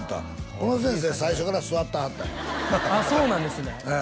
この先生最初から座ってはったんやあっそうなんですね